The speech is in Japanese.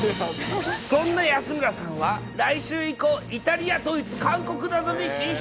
そんな安村さんは来週以降、イタリア、ドイツ、韓国などに進出。